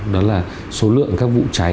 đó là số lượng các vụ cháy